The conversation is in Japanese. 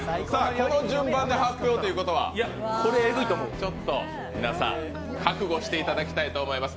この順番で発表ということは皆さん覚悟していただきたいと思います。